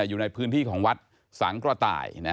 อยู่ในพื้นที่ของวัดสังกระต่าย